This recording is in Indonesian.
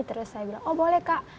terus saya bilang oh boleh kak